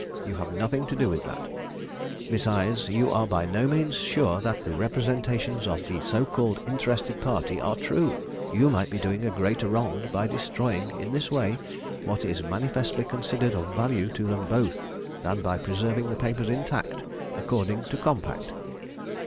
You have nothing to do with that; besides, you are by no means sure that the representations of the so called interested party are true. You might be doing a greater wrong, by destroying in this way, what is manifestly considered of value to them both, than by preserving the papers intact, according to compact."